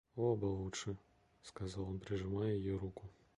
Оба лучше, — сказал он, прижимая ее руку.